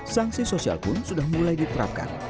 sanksi sosial pun sudah mulai diterapkan